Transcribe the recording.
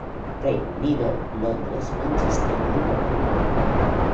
Reino Unido: Londres, Manchester, Liverpool.